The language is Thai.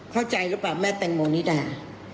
เข้าใจหรือเปล่าแม่แตงโมนิดา